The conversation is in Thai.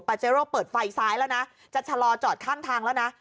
เจโร่เปิดไฟซ้ายแล้วนะจะชะลอจอดข้างทางแล้วนะ